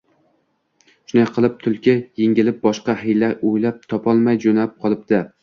Shunday qilib Tulki yengilib, boshqa hiyla o’ylab topolmay jo’nab qolibdi